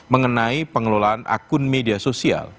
mengenai pengelolaan akun media sosial